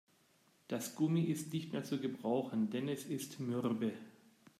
Das Gummi ist nicht mehr zu gebrauchen, denn es ist mürbe.